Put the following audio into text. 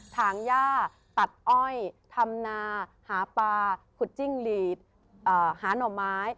ถางย่าตัดอ้อยทำนาหาปลาขุดจิ้งหลีดหาหน่อไม้